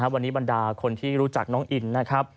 วันนี้บรรดาคนที่รู้จักน้องอินนะครับ